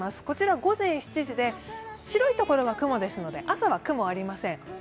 こちら午前７時で白いところが雲ですので朝は雲、ありません。